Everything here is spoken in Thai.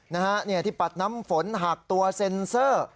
นะฮะเนี่ยที่ปัดน้ำฝนหักตัวเซ็นเซอร์